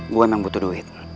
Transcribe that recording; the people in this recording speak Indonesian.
gue emang butuh duit